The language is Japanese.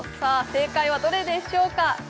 正解はどれでしょうか？